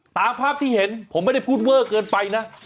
ตามภาพที่เห็นผมไม่ได้พูดเวอร์เกินไปนะ